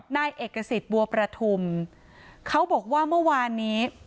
นายเอกสิทธิ์บัวประทุมเขาบอกว่าเมื่อวานนี้